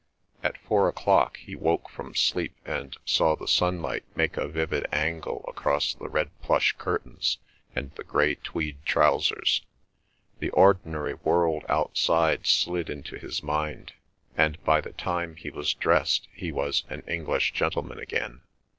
At four o'clock he woke from sleep and saw the sunlight make a vivid angle across the red plush curtains and the grey tweed trousers. The ordinary world outside slid into his mind, and by the time he was dressed he was an English gentleman again.